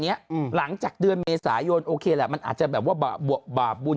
หลังจากเดือนเมษายนโอเคแหละมันอาจจะแบบว่าบาปบุญ